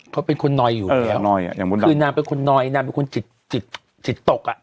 เขาเป็นคนนอยอยู่แล้วเออนอยอ่ะอย่างบนดับคือนางเป็นคนนอยนางเป็นคนจิตจิตจิตตกอ่ะ